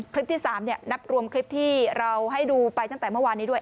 คลิปที่๓นับรวมคลิปที่เราให้ดูไปตั้งแต่เมื่อวานนี้ด้วย